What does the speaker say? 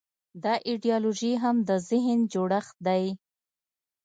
دا ایدیالوژي هم د ذهن جوړښت دی.